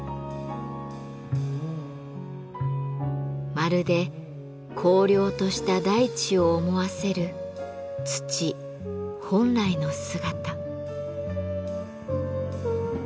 まるで荒涼とした大地を思わせる土本来の姿。